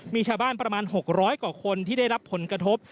มีชาวบ้านประมาณ๖๐๐กว่าคนที่ได้รับผลกระทบ